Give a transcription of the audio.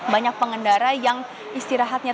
banyak pengendara yang istirahatnya